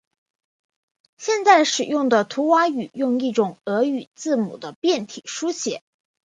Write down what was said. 现在使用的图瓦语用一种俄语字母的变体书写。